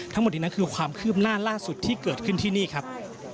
ทั้งหมดนี้นั้นคือความคืบหน้าล่าสุดที่เกิดขึ้นที่นี่ครับ